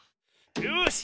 よし。